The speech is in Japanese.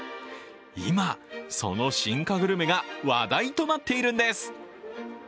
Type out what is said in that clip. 今、その進化グルメが話題となっているんです。